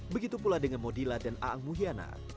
begitu pula dengan modila dan aang mukhiana